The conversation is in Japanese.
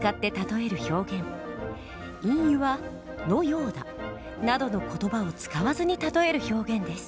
隠喩は「のようだ」などの言葉を使わずに例える表現です。